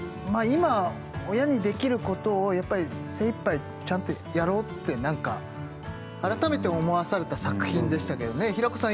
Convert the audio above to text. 今親にできることをやっぱり精いっぱいちゃんとやろうって何か改めて思わされた作品でしたけどね平子さん